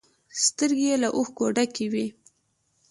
سترگې يې له اوښکو ډکې وې.